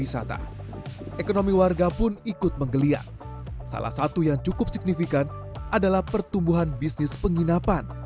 salah satu yang cukup signifikan adalah pertumbuhan bisnis penginapan